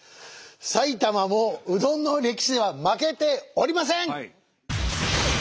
埼玉もうどんの歴史では負けておりません！